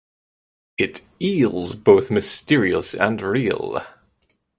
It eels both mysterious and real.